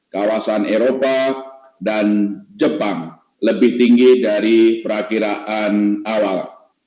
kawasan eropa dan jepang lebih tinggi dari perakiraan awal